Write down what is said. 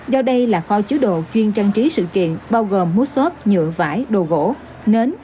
do đây là kho chứa đồ chuyên trang trí sự kiện bao gồm mút xốp nhựa vải đồ gỗ nến